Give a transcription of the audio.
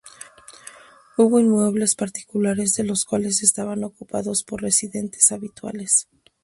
Hubo inmuebles particulares de los cuales estaban ocupados por residentes habituales.